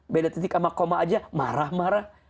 beda titik sama koma aja marah marah